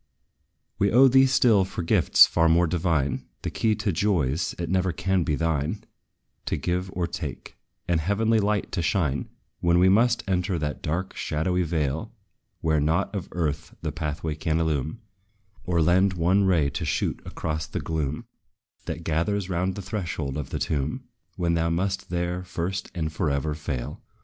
We owe thee still for gifts far more divine The key to joys it never can be thine To give or take; and heavenly light to shine When we must enter that dark, shadowy vale, Where nought of earth the pathway can illume, Or lend one ray to shoot across the gloom, That gathers round the threshold of the tomb, When thou must there, first and forever, fail.